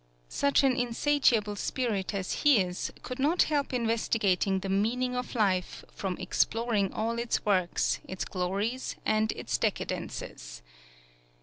Such an insatiable spirit as his could not help investigating the meaning of life, from exploring all its works, its glories, and its decadences.